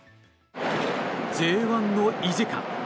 Ｊ１の意地か。